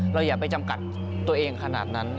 อย่าไปจำกัดตัวเองขนาดนั้น